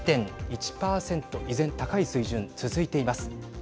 依然、高い水準続いています。